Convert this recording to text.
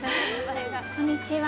こんにちは。